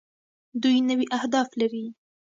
دوی نوي اهداف لري.